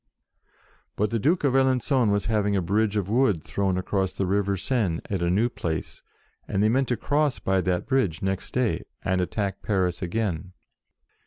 But the Duke of Alen^on was having a bridge of wood thrown across the river Seine, at a new place, and they meant to cross by that bridge next day, and attack Paris again.